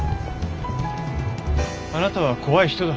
あなたは怖い人だ。